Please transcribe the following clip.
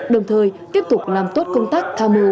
đồng thời tiếp tục làm tốt công tác tham mưu